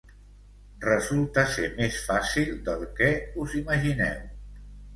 Resulta ser més fàcil del que us imagineu.